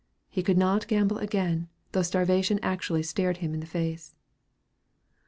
He could not gamble again, though starvation actually stared him in the face.